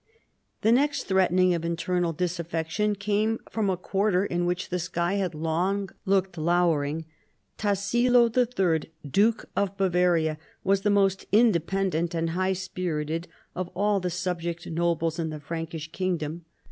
The next threatening of internal disaffection came from a quarter in which the sky had long looked lowering. Tassilo III.j Duke of Bavaria, was the most independent and high spirited of all the subject nobles in the Frankish kingdom.